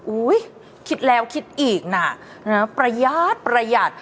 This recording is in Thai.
อุ๊ยคิดแล้วคิดอีกนะประหยาด